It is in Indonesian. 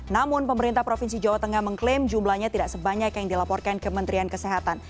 namun pemerintah provinsi jawa tengah mengklaim jumlahnya tidak sebanyak yang dilaporkan kementerian kesehatan